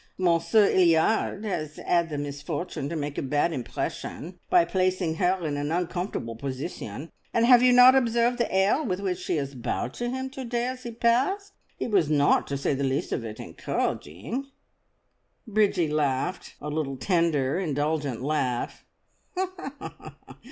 Monsieur 'Illiard has had the misfortune to make a bad impression, by placing her in an uncomfortable position, and have you not observed the air with which she has bowed to him to day as he passed? It was not, to say the least of it, encouraging." Bridgie laughed, a little, tender, indulgent laugh.